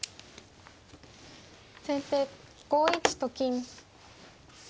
先手５一と金。